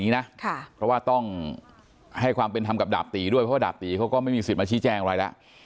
เพราะว่าต้องให้ความเป็นธรรมกับดาบตีด้วยเพราะว่าดาบตีเขาก็ไม่มีสิทธิ์มาชี้แจงอะไรแล้ว